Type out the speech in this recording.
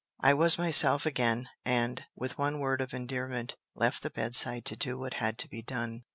I was myself again, and, with one word of endearment, left the bedside to do what had to be done.